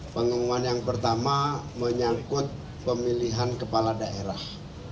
pengumuman yang pertama menyangkut pemilihan kepala daerah